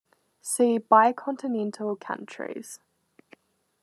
See Bicontinental countries.